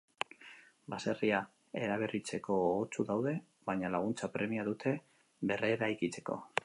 Baserria eraberritzeko gogotsu daude, baina laguntza premia dute berreraikitzeko.